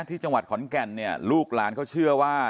ที่จังหวัดขอนแก่นเนี่ยลูกหลานเขาเชื่อว่า